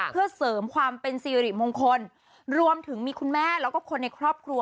เพื่อเสริมความเป็นสิริมงคลรวมถึงมีคุณแม่แล้วก็คนในครอบครัว